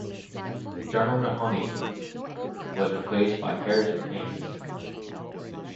Drummer Mahoney was replaced by Harrison Haynes.